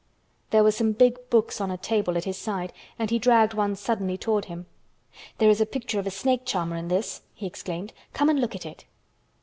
There were some big books on a table at his side and he dragged one suddenly toward him. "There is a picture of a snake charmer in this," he exclaimed. "Come and look at it."